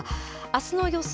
あすの予想